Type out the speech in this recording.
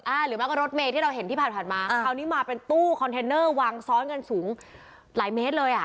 หรือไม่ก็รถเมย์ที่เราเห็นที่ผ่านมาคราวนี้มาเป็นตู้คอนเทนเนอร์วางซ้อนกันสูงหลายเมตรเลยอ่ะ